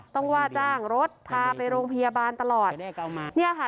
ว่าจ้างรถพาไปโรงพยาบาลตลอดเนี่ยค่ะ